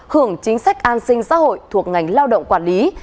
hưởng chính sách an sinh xã hội thuộc ngành lao động quản lý